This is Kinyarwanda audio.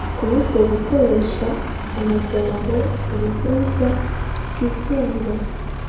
Kubuzwa gukoresha amagambo «ubuhuza bwigenga»